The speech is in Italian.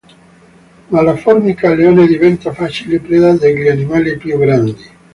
Ma la formica-leone diventa facile preda degli animali più grandi.